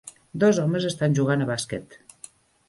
Dos homes estan jugant a bàsquet